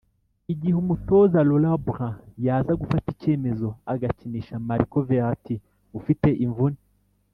Igihe Umutoza Laurent Blanc yaza gufata icyemezo agakinisha Marco Verrati ufite imvune